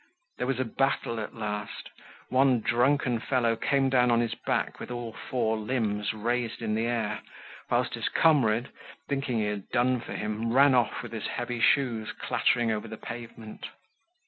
There was a battle at last; one drunken fellow came down on his back with all four limbs raised in the air, whilst his comrade, thinking he had done for him, ran off with his heavy shoes clattering over the pavement.